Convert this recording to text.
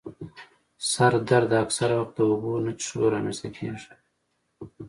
سر درد اکثره وخت د اوبو نه څیښلو رامنځته کېږي.